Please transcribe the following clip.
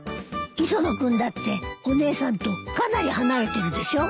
磯野君だってお姉さんとかなり離れてるでしょ？